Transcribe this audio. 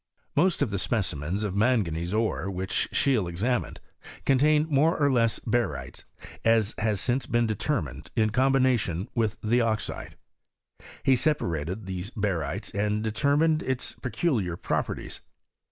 Most of the specimens of manganese ore which Scheele examined, contained more or less barytes, as has since been determined, in combination with the oxide. He separated this barytes, and deter mined its peculiar properties.